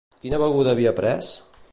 Quina beguda havia pres?